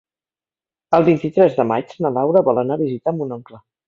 El vint-i-tres de maig na Laura vol anar a visitar mon oncle.